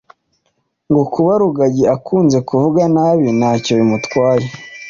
ngo kuba rugagi akunze kumuvuga nabi ntacyo bimutwaye